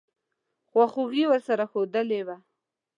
خواخوږي ورسره ښودلې وه.